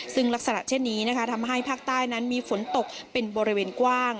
ซึ่งลักษณะเช่นนี้นะคะทำให้ภาคใต้นั้นมีฝนตกเป็นบริเวณกว้าง